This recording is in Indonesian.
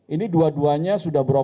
ini dua duanya sudah berapa